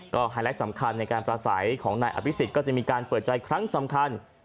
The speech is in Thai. ไฮไลท์สำคัญในการประสัยของนายอภิษฎก็จะมีการเปิดใจครั้งสำคัญ